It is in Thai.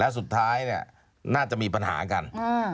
แล้วสุดท้ายเนี่ยน่าจะมีปัญหากัน